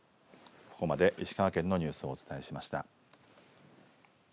ここまで石川県のニュースをお伝えしました。